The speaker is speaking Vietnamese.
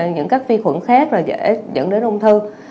những các vi khuẩn khác dẫn đến ung thư